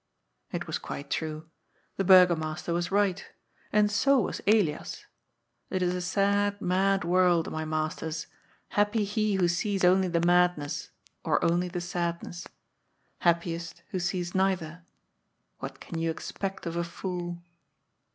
It was quite true. The Burgomaster was right. And so was Elias. It is a sad, mad world, my Masters. Happy he who sees only the madness, or only the sadness. Happiest who sees neither. What can you expect of a fool